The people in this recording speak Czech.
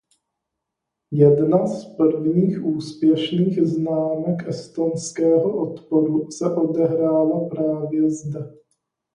Jedna z prvních úspěšných známek estonského odporu se odehrála právě zde.